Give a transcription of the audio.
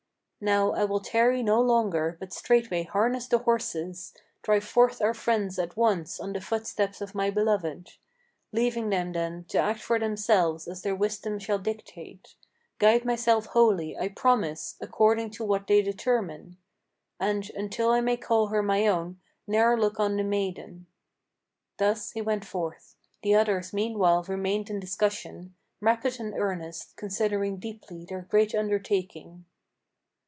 Now I will tarry no longer, but straightway harness the horses, Drive forth our friends at once on the footsteps of my beloved, Leaving them then to act for themselves, as their wisdom shall dictate, Guide myself wholly, I promise, according to what they determine, And, until I may call her my own, ne'er look on the maiden." Thus he went forth: the others meanwhile remained in discussion, Rapid and earnest, considering deeply their great undertaking.